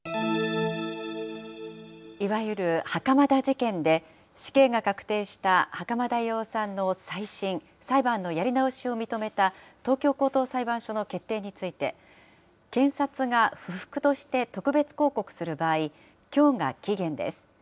いわゆる袴田事件で死刑が確定した袴田巌さんの再審・裁判のやり直しを認めた東京高等裁判所の決定について、検察が不服として特別抗告する場合、きょうが期限です。